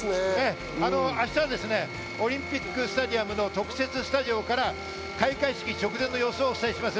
明日はオリンピックスタジアムの特設スタジオから開会式直前の様子をお伝えします。